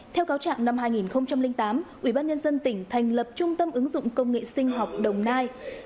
theo cáo trạng năm hai nghìn tám ubnd tỉnh thành lập trung tâm ứng dụng công nghệ sinh học đồng nai